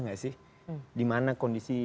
gak sih dimana kondisi